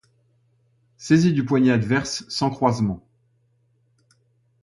Saisie du poignet adverse sans croisement.